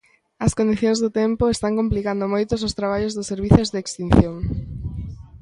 As condicións do tempo están complicando moito os traballos dos servizos de extinción.